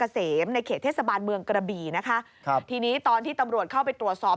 เสมในเขตเทศบาลเมืองกระบี่นะคะครับทีนี้ตอนที่ตำรวจเข้าไปตรวจสอบ